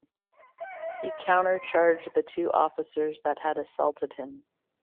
He counter-charged the two officers that had assaulted him.